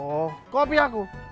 oh kok api aku